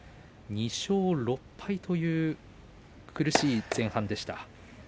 ２勝６敗という苦しい前半でした。